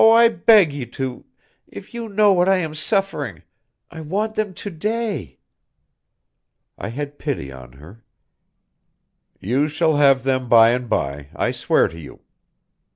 I beg you to ... if you knew what I am suffering.... I want them to day." I had pity on her: "You shall have them by and by, I swear to you."